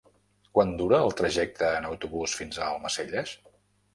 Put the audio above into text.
Quant dura el trajecte en autobús fins a Almacelles?